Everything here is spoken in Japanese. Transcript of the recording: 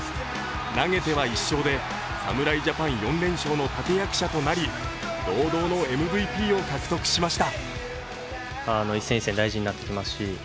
投げては１勝で、侍ジャパン４連勝の立て役者となり堂々のＭＶＰを獲得しました。